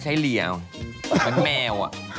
ใช้เหลียวเหมือนแมว